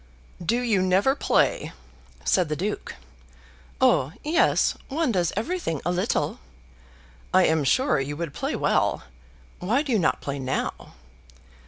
"Do you never play?" said the Duke. "Oh yes; one does everything a little." "I am sure you would play well. Why do you not play now?"